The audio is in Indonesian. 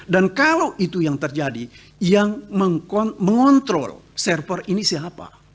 dan kalau itu yang terjadi yang mengontrol server ini siapa